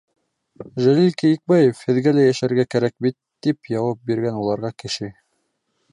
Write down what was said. Жәлил КЕЙЕКБАЕВ Һеҙгә лә йәшәргә кәрәк бит, — тип яуап биргән уларға Кеше.